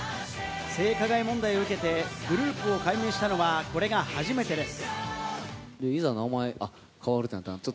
性加害問題を受けてグループを改名したのはこれが初めてです。